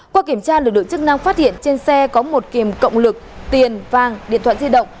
qua kiểm tra lực lượng chức năng phát hiện trên xe có một kìm cộng lực tiền vàng điện thoại di động